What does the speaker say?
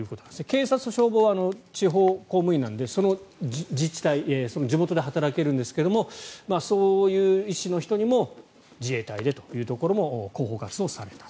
警察と消防は地方公務員なのでその自治体その地元で働けるんですがそういう意思の人にも自衛隊でというところも広報活動された。